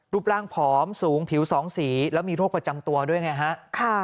รูปร่างผอมสูงผิวสองสีแล้วมีโรคประจำตัวด้วยไงฮะ